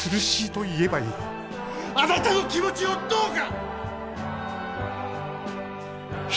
あなたの気持ちをどうか！